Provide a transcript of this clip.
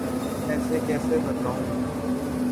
ایسے کیسے بتاؤں؟